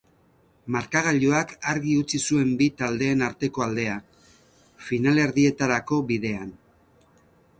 Markagailuak argi utzi zuen bi taldeen arteko aldea, finalerdietarako bidean.